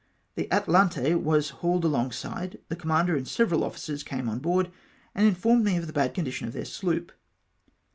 The Atalante was hauled alongside, the commander and several officers came on board, and informed me of the bad condition of their sloop.